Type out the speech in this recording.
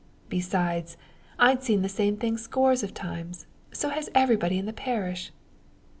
Besides, I've seen the same thing scores of times so has everybody in the parish.